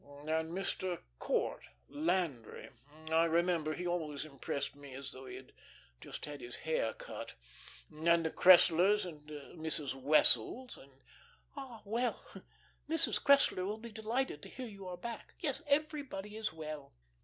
"And Mr. Court, 'Landry'? I remember he always impressed me as though he had just had his hair cut; and the Cresslers, and Mrs. Wessels, and " "All well. Mrs. Cressler will be delighted to hear you are back. Yes, everybody is well."